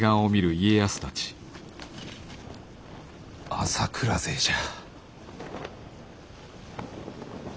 朝倉勢じゃ。